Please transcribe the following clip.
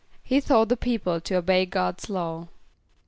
=He taught the people to obey God's law.